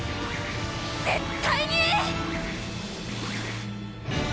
絶対に！